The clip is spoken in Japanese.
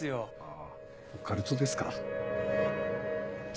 あぁオカルトですか。